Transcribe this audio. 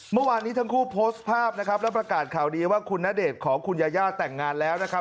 เมื่อวานนี้ทั้งคู่โพสต์ภาพนะครับแล้วประกาศข่าวดีว่าคุณณเดชน์ขอคุณยายาแต่งงานแล้วนะครับ